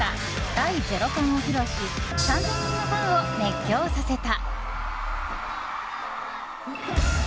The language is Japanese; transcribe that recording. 「第ゼロ感」を披露し３０００人のファンを熱狂させた。